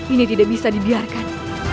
ini tidak bisa dibiarkan